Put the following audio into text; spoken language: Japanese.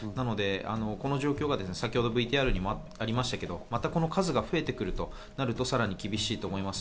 この状況が先ほどＶＴＲにもありましたけど、また数が増えてくるとなるとさらに厳しいと思います。